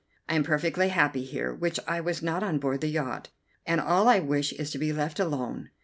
I am perfectly happy here, which I was not on board the yacht, and all I wish is to be left alone.